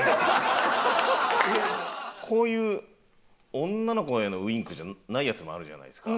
こういう女の子へのウィンクじゃないやつもあるじゃないですか。